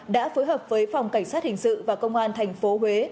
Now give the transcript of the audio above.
đã phối hợp với phòng cảnh sát hình sự và công an thành phố huế